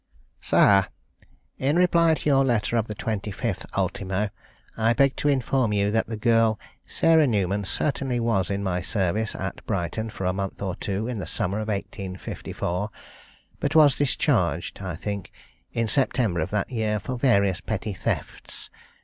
_ "SIR, "In reply to your letter of the 25th ultimo, I beg to inform you that the girl, Sarah Newman, certainly was in my service at Brighton for a month or two in the summer of 1854, but was discharged, I think, in September of that year, for various petty thefts.